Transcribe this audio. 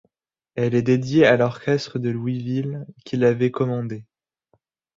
Elle est dédiée à l'orchestre de Louisville, qui l'avait commandée.